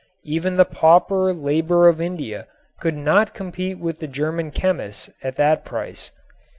Even the pauper labor of India could not compete with the German chemists at that price.